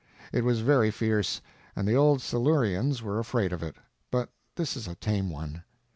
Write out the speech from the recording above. It was very fierce, and the Old Silurians were afraid of it, but this is a tame one.